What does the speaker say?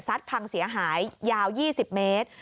พังเสียหายยาว๒๐เมตร